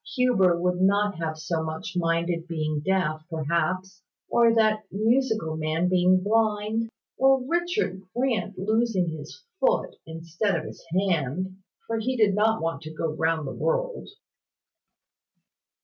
Huber would not have so much minded being deaf, perhaps; or that musical man being blind; or Richard Grant losing his foot, instead of his hand: for he did not want to go round the world."